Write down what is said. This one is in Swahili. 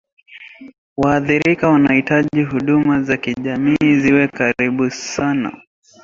waathirika wanahitaji huduma za kijamii ziwe karibu sana